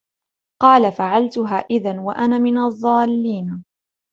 قال فعلتها إذا وأنا من الضالين